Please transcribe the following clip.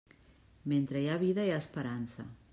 Mentre hi ha vida hi ha esperança.